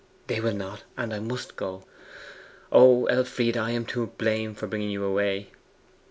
'They will not; and I must go.' 'O Elfride! I am to blame for bringing you away.